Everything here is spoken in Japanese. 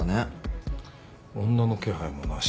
女の気配もなしか。